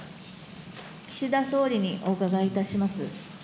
岸田総理にお伺いいたします。